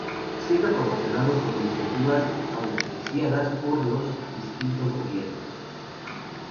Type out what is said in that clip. Siendo promocionado por iniciativas auspiciadas por los distintos gobiernos.